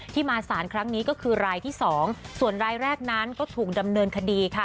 มาสารครั้งนี้ก็คือรายที่๒ส่วนรายแรกนั้นก็ถูกดำเนินคดีค่ะ